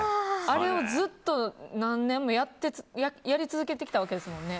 あれをずっと何年もやり続けてきたわけですもんね。